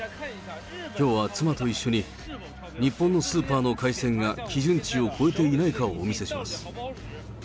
きょうは妻と一緒に、日本のスーパーの海鮮が基準値を超えていないかをお見せします。